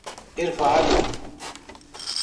Ervália